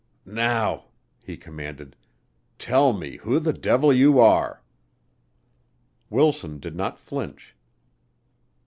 "Now," he commanded, "tell me who the Devil you are." Wilson did not flinch.